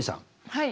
はい。